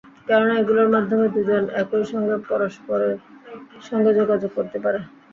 কেননা এগুলোর মাধ্যমে দুজন একই সঙ্গে পরস্পরের সঙ্গে যোগাযোগ করতে পারে।